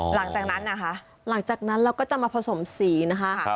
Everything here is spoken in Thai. หลังจากนั้นนะคะหลังจากนั้นเราก็จะมาผสมสีนะคะ